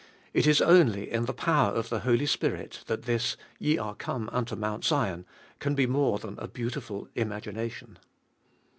It is only in the power of the Holy Spirit that this Ye are come unto Mount Zion can be more than a beautiful imagination.